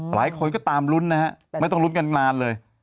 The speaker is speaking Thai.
หลายคนก็ตามลุ้นนะฮะไม่ต้องลุ้นกันนานเลย